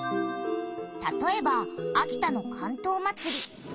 たとえば秋田の竿燈まつり。